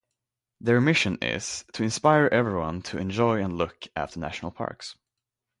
Their mission is: To inspire everyone to enjoy and look after National Parks.